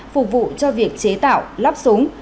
phục vụ cho việc chế tạo lắp súng